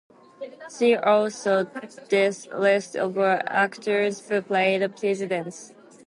See also this list of actors who played presidents.